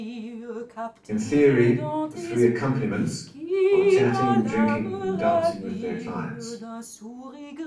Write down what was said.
In theory, the "three accompaniments" are chatting, drinking and dancing with their clients.